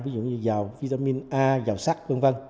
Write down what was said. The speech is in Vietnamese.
ví dụ như dầu vitamin a dầu sắt v v